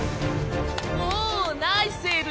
おおナイスセーブ！